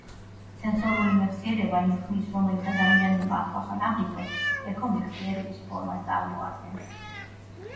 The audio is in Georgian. სენსორული მეხსიერება იმ ხმის, რომელიც ადამიანებმა ახლახან აღიქვეს, ექო-მეხსიერების ფორმას წარმოადგენს.